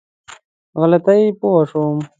غلطي پوه شوم.